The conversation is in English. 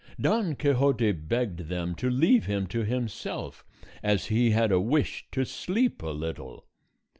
Don Quixote begged them to leave him to himself, as he had a wish to sleep a little.